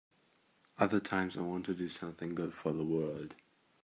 Other times I want to do something good for the world.